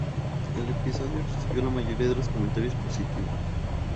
El episodio recibió la mayoría de los comentarios positivos.